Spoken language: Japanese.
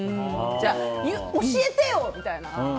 じゃあ教えてよ！みたいな。